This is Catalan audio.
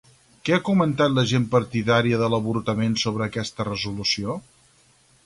Què ha comentat la gent partidària de l'avortament sobre aquesta resolució?